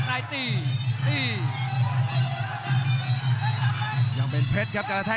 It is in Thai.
กรรมการเตือนทั้งคู่ครับ๖๖กิโลกรัม